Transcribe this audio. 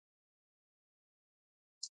باران د افغانستان د کلتوري میراث برخه ده.